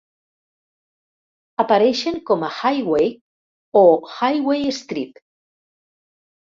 Apareixen com a "Highway" o "Highway Strip".